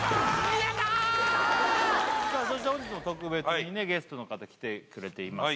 さあそして本日も特別にねゲストの方来てくれていますよ